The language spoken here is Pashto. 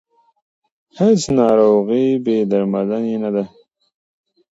هیڅ ناروغي بې درملنې نه ده.